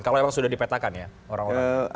kalau memang sudah dipetakan ya orang orang